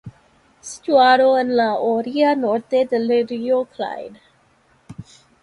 Situada en la orilla norte del río Clyde.